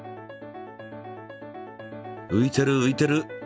ういてるういてる。